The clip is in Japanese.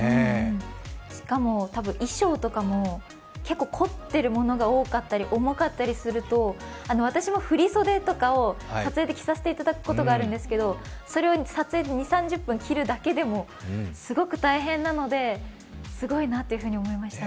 しかも衣装とかも結構凝ってるのものが多かったり重かったりすると私も振り袖とかを撮影で着させていただくことがあるんですけど、それを撮影で２０３０分だけ着るだけでもすごく大変なので、すごいなと思いました。